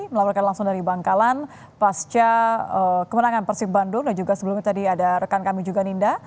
melaporkan langsung dari bangkalan pasca kemenangan persib bandung dan juga sebelumnya tadi ada rekan kami juga ninda